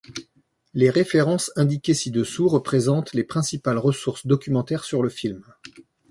Les références indiquées ci-dessous représentent les principales ressources documentaires sur le film.